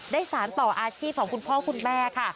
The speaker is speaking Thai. สารต่ออาชีพของคุณพ่อคุณแม่ค่ะ